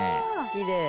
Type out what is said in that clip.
「きれい。